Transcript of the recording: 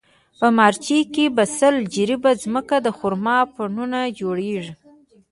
په مارجې کې په سل جریبه ځمکه د خرما پڼونه جوړېږي.